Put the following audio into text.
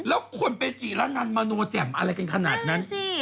แล้วคนไปจีระนันมโนแจ่มอะไรกันขนาดนั้น